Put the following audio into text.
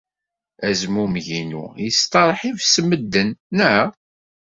Azmumeg-inu yesteṛḥib s medden, naɣ?